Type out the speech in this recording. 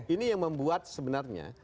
ini yang membuat sebenarnya